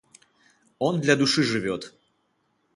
Он для души живет.